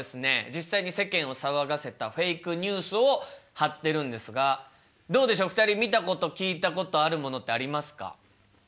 実際に世間を騒がせたフェイクニュースを貼ってるんですがどうでしょう２人見たこと聞いたことあるものってありますか？